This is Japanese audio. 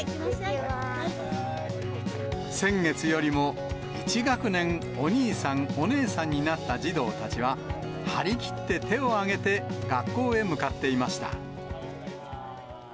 先月よりも１学年お兄さん、お姉さんになった児童たちは、張り切って手をあげて学校へ向かっていました。